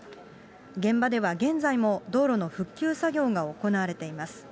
現場では現在も道路の復旧作業が行われています。